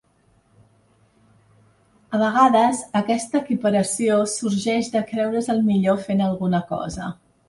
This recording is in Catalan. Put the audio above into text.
A vegades aquesta equiparació sorgeix de creure's el millor fent alguna cosa.